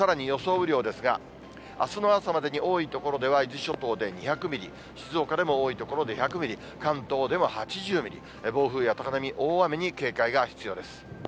雨量ですが、あすの朝までに多い所では伊豆諸島で２００ミリ、静岡でも多い所で１００ミリ、関東では８０ミリ、暴風や高波、大雨に警戒が必要です。